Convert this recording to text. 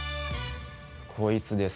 こいつです。